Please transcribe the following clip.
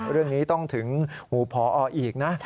เรื่องนี้ต้องถึงหูพออีกนะ